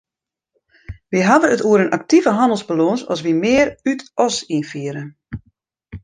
Wy hawwe it oer in aktive hannelsbalâns as wy mear út- as ynfiere.